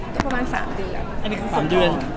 ก็ประมาณ๓เดือนอ่ะส่วนต่อนะครับ